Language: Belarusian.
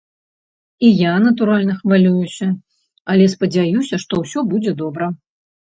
І я, натуральна, хвалююся, але спадзяюся, што ўсё будзе добра.